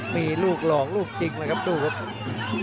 มีลูกหลอกลูกจริงเลยครับดูครับ